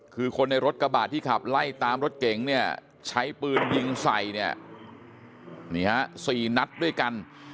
คือคนในรถกระบาดที่ขับไล่ตามรถเก๋งเนี่ยใช้ปืนยิงใส่เนี่ยนี่ฮะสี่นัดด้วยกัน